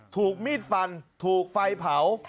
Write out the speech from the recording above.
ถูกมีดฟันถูกไฟเผา